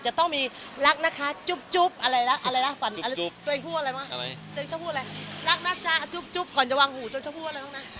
เจ้าพูดอะไรรักนะจ๊ะจุ๊บก่อนจะวางหูจนจะพูดอะไรต้องนะ